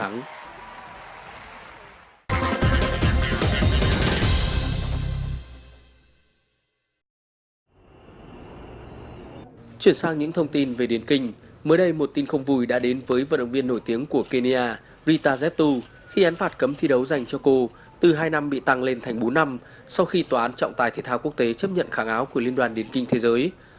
mới đây một tin không vui đã đến với vận động viên nổi tiếng của kenya rita zepto khi án phạt cấm thi đấu dành cho cô từ hai năm bị tăng lên thành bốn năm sau khi tòa án trọng tài thể thao quốc tế chấp nhận kháng áo của liên đoàn điện kinh thế giới